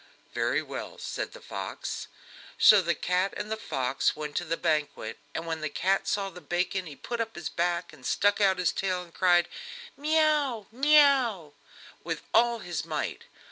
"Very well," said the fox. So the cat and the fox went to the banquet, and when the cat saw the bacon he put up his back and stuck out his tail, and cried: "Mee oo, mee oo!" with all his might.